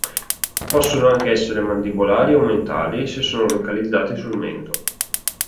Possono anche essere mandibolari o mentali se sono localizzati sul mento.